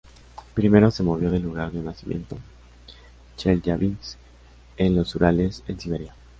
Primero se movió de su lugar de nacimiento, Chelyabinsk en los Urales, en Siberia.